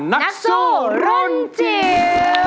นักสู้รุ่นจิ๋ว